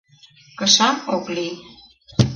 Кышам ок лий.